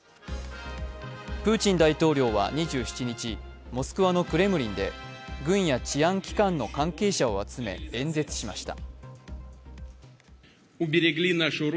プーチン大統領は２７日、モスクワのクレムリンで軍や治安機関の関係者を集め、演説しました。